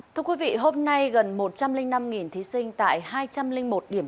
thưa quý vị hôm nay gần một trăm linh năm thí sinh tại hai trăm linh một điểm